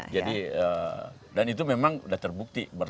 jadi dan itu memang sudah terbukti